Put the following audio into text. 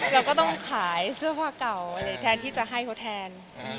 เราก็ต้องขายเสื้อผ้าเก่าอะไรแทนที่จะให้เขาแทน